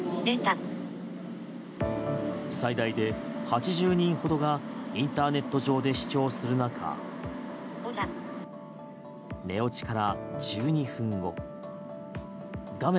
最大で８０人ほどがインターネット上で視聴する中寝落ちから１２分後画面